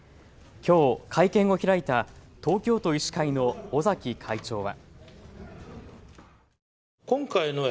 きょう会見を開いた東京都医師会の尾崎会長は。